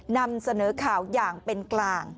นำเสนอข่าวอย่างเป็นกลาง